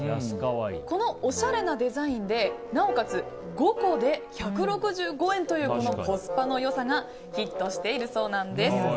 このおしゃれなデザインでなおかつ、５個で１６５円というコスパの良さがヒットしているそうなんです。